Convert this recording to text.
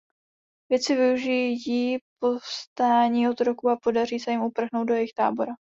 Vědci využijí povstání otroků a podaří se jim uprchnout do jejich tábora.